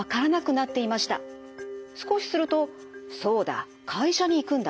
少しすると「そうだ会社に行くんだ。